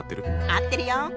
合ってるよ！